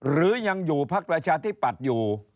หรือยังอยู่พักประชาธิปัตย์อยู่